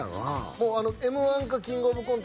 もう「Ｍ−１」か「キングオブコント」